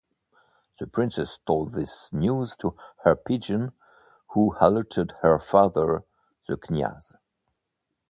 The princess told these news to her pigeon, who alerted her father, the kniaz.